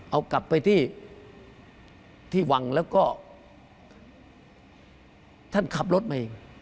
เอากลับไปที่ที่วังแล้วก็ท่านขับรถมาเอง